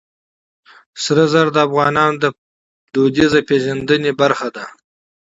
طلا د افغانانو د فرهنګي پیژندنې برخه ده.